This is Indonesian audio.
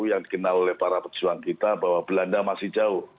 yang dikenal oleh para pejuang kita bahwa belanda masih jauh